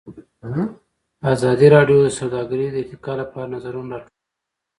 ازادي راډیو د سوداګري د ارتقا لپاره نظرونه راټول کړي.